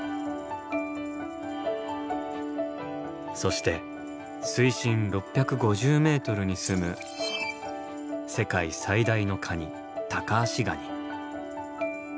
そして水深６５０ｍにすむ世界最大のカニタカアシガニ。